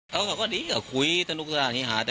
ตลอดที่รู้จักอยู่ด้วยกันมา